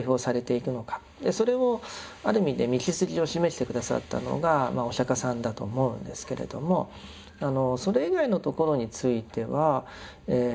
それをある意味で道筋を示して下さったのがお釈迦さんだと思うんですけれどもそれ以外の所についてはさまざまなものをですね